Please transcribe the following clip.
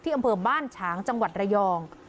อำเภอบ้านฉางจังหวัดระยอง